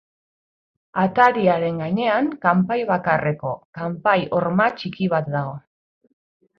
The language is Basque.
Atariaren gainean kanpai bakarreko kanpai-horma txiki bat dago.